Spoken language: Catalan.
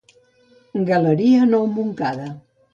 Galeria Nou Montcada.